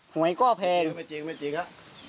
หวยก็แพงไม่จริงครับ